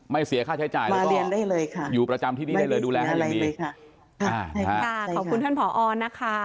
ไม่เสียค่าใช้จ่ายอยู่ประจำที่นี่ได้เลยแล้วก็ดุแลอะไรดี